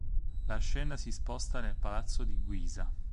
La scena si sposta nel palazzo di Guisa.